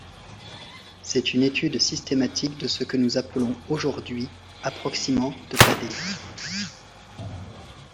C'est une étude systématique de ce que nous appelons aujourd'hui approximant de Padé.